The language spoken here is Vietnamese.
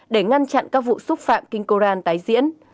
để ngăn chặn các vụ xúc phạm kinh koran tái diễn